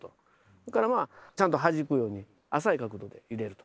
それからまあちゃんとはじくように浅い角度で入れると。